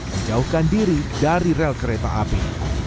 menjauhkan diri dari rel kereta api